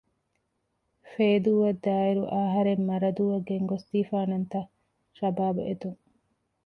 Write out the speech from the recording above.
ފޭދޫއަށްދާއިރު އަހަރެން މަރަދޫއަށް ގެންގޮސްދީފާނަންތަ؟ ޝަބާބް އެދުން